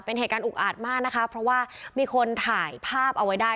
เป็นเหตุการณ์อุกอาจมากนะคะเพราะว่ามีคนถ่ายภาพเอาไว้ได้